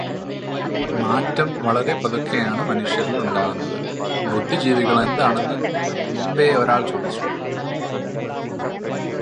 മാറ്റം വളരെ പതുക്കെയാണ് മനുഷ്യരിൽ ഉണ്ടാകുന്നത്.ബുദ്ധിജീവികൾ എന്താണെന്ന് മുമ്പേയൊരാൾ ചോദിച്ചു.